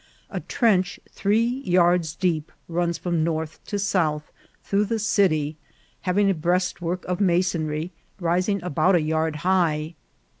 A trench three yards deep runs from north to south through the eity, having a breastwork of masonry rising about a yard high.